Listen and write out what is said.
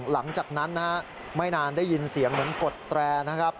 หลังจากนั้นนะฮะไม่นานได้ยินเสียงเหมือนกดแตรนะครับ